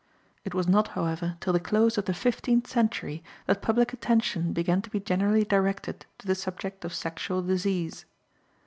It was not, however, till the close of the fifteenth century that public attention began to be generally directed to the subject of sexual disease.